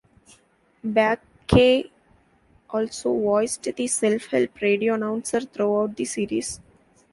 Bakay also voiced the self-help radio announcer throughout the series.